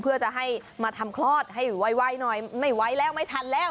เพื่อจะให้มาทำคลอดให้ไวหน่อยไม่ไหวแล้วไม่ทันแล้ว